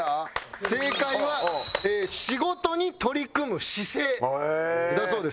正解は「仕事に取り組む姿勢」だそうです。